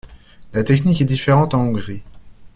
La technique est différente en Hongrie.